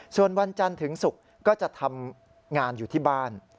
ส่วนวันจันทร์ถึงศุกร์ก็จะทำงานอยู่ที่บ้าน